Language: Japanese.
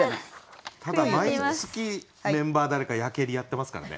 ただ毎月メンバー誰かやけりやってますからね。